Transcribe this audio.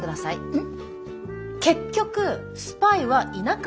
うん。